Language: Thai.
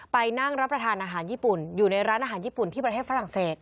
ไปนั่งรับประทานอาหารญี่ปุ่นอยู่ในร้านอาหารญี่ปุ่นที่ประเทศฝรั่งเศส